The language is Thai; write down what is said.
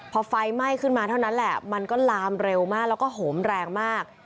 พอไฟไหม้ขึ้นมาเท่านั้นแหละมันก็ลามเร็วมากแล้วก็โหมแรงมาก